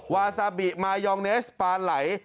วาซาบิมายองเนสปลาไหล